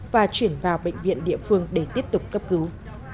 và chuyển vào bệnh viện địa phương để tiếp tục cấp cứu